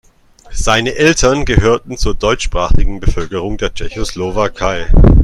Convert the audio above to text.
Seine Eltern gehörten zur deutschsprachigen Bevölkerung der Tschechoslowakei.